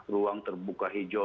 ruang terbuka hijau